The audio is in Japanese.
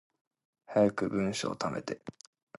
早く文章溜めて